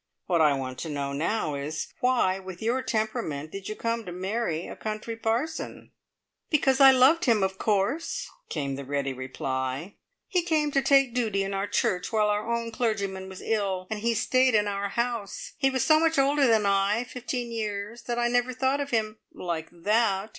What I want to know now is, why, with your temperament, did you come to marry a country parson?" "Because I loved him, of course," came the ready reply. "He came to take duty in our church while our own clergyman was ill, and he stayed in our house. He was so much older than I fifteen years that I never thought of him like that!